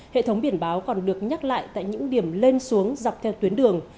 hệ thống biển báo còn được nhắc lại tại những điểm lên xuống dọc theo tuyến đường